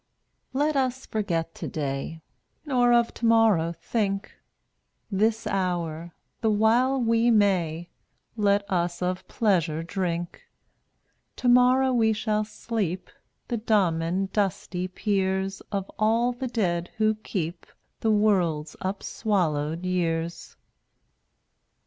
194 Let us forget today, Nor of tomorrow think; This hour — the while we may — Let us of pleasure drink. Tomorrow we shall sleep The dumb and dusty peers Of all the dead who keep The world's upswallowed years.